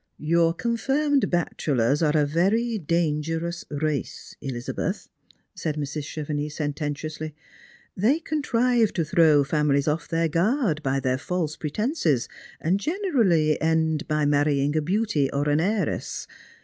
" Your confirmed bachelors are a very dangerous race, Elizabeth," said Mrs. Chevenix sententiously, " They con trive to throw families off their guard by their false pretences, and generally end by marrying a beauty or an heiress.